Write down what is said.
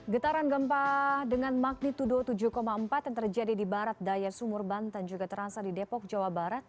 getaran gempa dengan magnitudo tujuh empat yang terjadi di barat daya sumur banten juga terasa di depok jawa barat